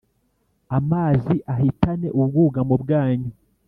amazi ahitane ubwugamo bwanyu.